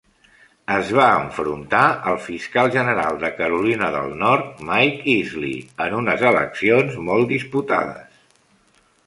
Es va enfrontar al fiscal general de Carolina del Nord, Mike Easley, en unes eleccions molt disputades.